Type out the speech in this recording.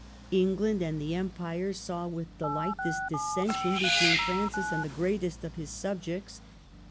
England and the Empire saw with dehght this dissension between Francis and the greatest of his subjects.